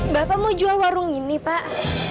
bapak mau jual warung ini pak